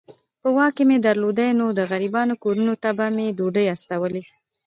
که واک مي درلودای نو د غریبانو کورونو ته به مي ډوډۍ استولې.